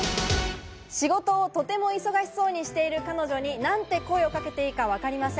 仕事をとても忙しそうにしている彼女に、何て声をかけていいか分かりません。